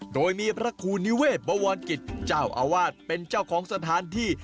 โดยมีพระครูนิเวศบวรกิจเจ้าอาวาสเป็นเจ้าของสถานที่